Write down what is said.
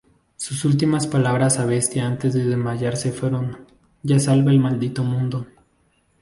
Sus últimas palabras a Bestia antes de desmayarse fueron ""ya salva el maldito mundo"".